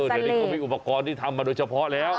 เดี๋ยวนี้เขามีอุปกรณ์ที่ทำมาโดยเฉพาะแล้ว